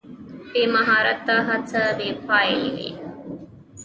بې مهارته هڅه بې پایلې وي.